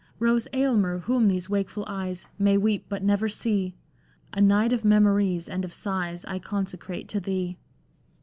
Rose Aylmer, whom these wakeful eyes May weep, but never see, A night of memories and of sighs I consecrate to thee."